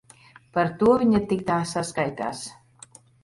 Par to viņa tik tā saskaitās.